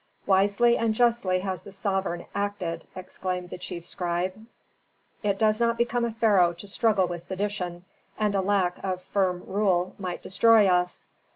"Wisely and justly has the sovereign acted!" exclaimed the chief scribe. "It does not become a pharaoh to struggle with sedition, and a lack of firm rule might destroy us."